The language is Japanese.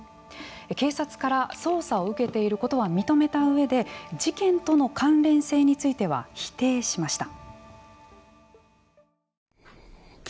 警察から捜査を受けていることは認めた上で事件との関連性については否定しました。